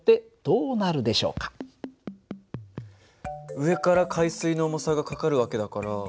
上から海水の重さがかかる訳だから。